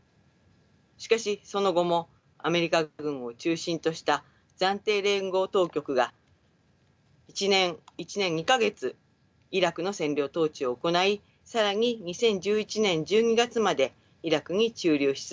しかしその後もアメリカ軍を中心とした暫定連合当局が１年２か月イラクの占領統治を行い更に２０１１年１２月までイラクに駐留し続けました。